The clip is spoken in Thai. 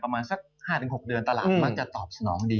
ประมาณสัก๕๖เดือนตลาดมักจะตอบสนองดี